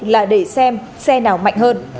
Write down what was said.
là để xem xe nào mạnh hơn